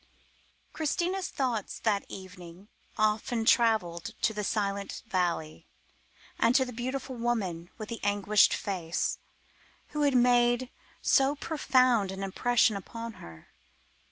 Christina's thoughts that evening often travelled to the silent valley, and to the beautiful woman with the anguished face, who had made so profound an impression upon her.